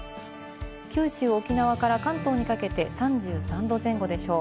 九州、沖縄から関東にかけて、３３度前後でしょう。